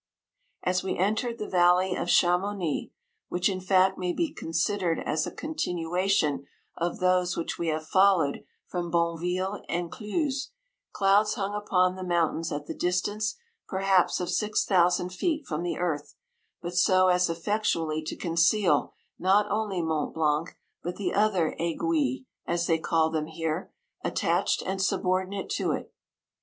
153 As we entered the valley of Cha mouni (which in fact may be consi dered as a continuation of those which we have followed from Bonneville and Cluses) clouds hung upon the moun tains at the distance perhaps of 6000 feet from the earth, but so as effectually to conceal not only Mont Blanc, but the other aiguilles, as they call them here, attached and subordinate to it.